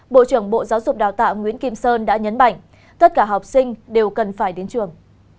bộ trưởng bộ giáo dục đào tạo nguyễn kim sơn đã nhấn mạnh tất cả học sinh đều cần phải đến trường